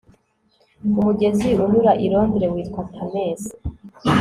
umugezi unyura i londres witwa thames